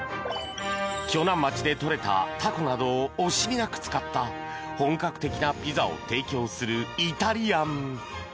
鋸南町でとれたタコなどを惜しみなく使った本格的なピザを提供するイタリアン。